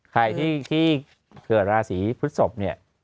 ใครที่เกิดราศีพฤศพเนี่ย